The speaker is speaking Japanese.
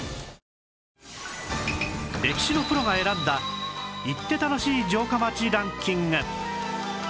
歴史のプロが選んだ行って楽しい城下町ランキング